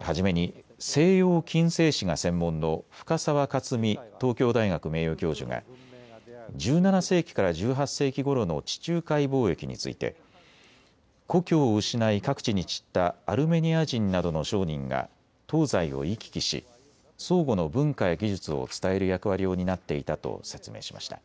初めに西洋近世史が専門の深沢克己東京大学名誉教授が１７世紀から１８世紀ごろの地中海貿易について故郷を失い各地に散ったアルメニア人などの商人が東西を行き来し相互の文化や技術を伝える役割を担っていたと説明しました。